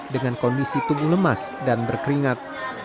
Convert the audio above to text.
dengan kondisi tubuh lemas dan berkeringat